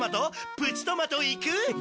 プチトマトいく？